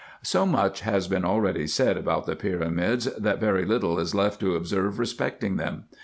So much has been already said about the pyramids, that very little is left to observe respecting them.